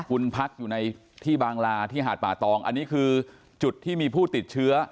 คุณพักอยู่ในที่บางลาที่หาดป่าตองอันนี้คือจุดที่มีผู้ติดเชื้อ